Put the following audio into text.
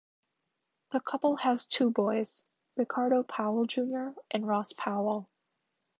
The couple has two boys, Ricardo Powell Junior and Ross Powell.